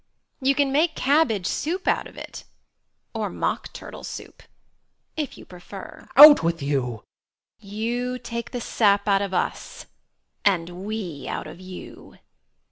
You can make cabbage soup out of it, or mock turtle soup, if you prefer. Student. Out with you ! jjCooK. You take the sap out of us, and we out of you.